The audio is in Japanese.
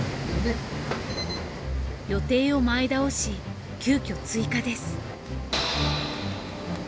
予定を前倒し急きょ追加です。